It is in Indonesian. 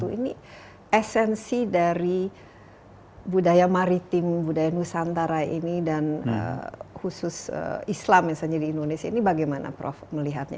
ini esensi dari budaya maritim budaya nusantara ini dan khusus islam misalnya di indonesia ini bagaimana prof melihatnya